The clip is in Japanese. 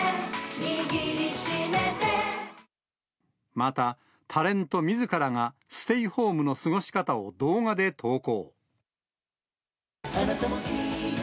また、タレントみずからがステイホームの過ごし方を動画で投稿。